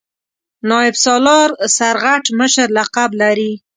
نایب سالار سرغټ مشر لقب لري.